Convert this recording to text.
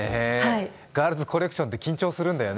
ガールズコレクションって緊張するんだよね。